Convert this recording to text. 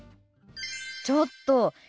ちょっと！